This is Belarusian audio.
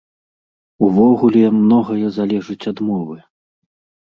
Увогуле, многае залежыць ад мовы.